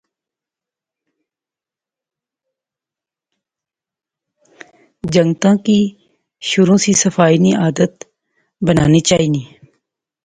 جنگتاں کی شروع سی صفائی نی عادت بنانی چاینی